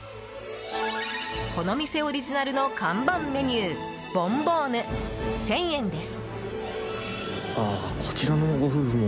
この店オリジナルの看板メニューボンボーヌ、１０００円です。